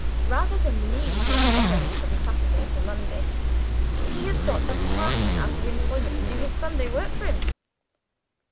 Rather than leave Miss Emily from Saturday to Monday, he has got a parson out of employment to do his Sunday work for him.